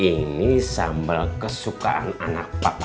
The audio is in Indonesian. ini sambal kesukaan anak papa